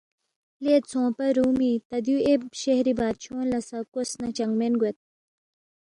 لے ژھونگپا رُومی تا دیُو اے شہری بادشونگ لہ سہ کوس نہ چنگمین گوید